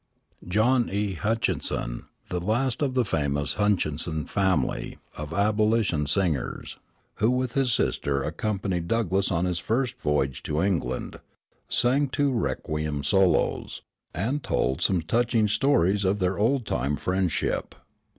John E. Hutchinson, the last of the famous Hutchinson family of abolition singers, who with his sister accompanied Douglass on his first voyage to England, sang two requiem solos, and told some touching stories of their old time friendship.